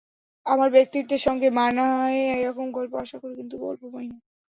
আমার ব্যক্তিত্বের সঙ্গে মানায় এরকম গল্প আশা করি, কিন্তু গল্প পাই না।